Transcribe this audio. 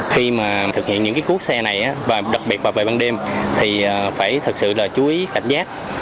khi mà thực hiện những cái cuốc xe này đặc biệt vào bờ bàn đêm thì phải thật sự là chú ý cảnh giác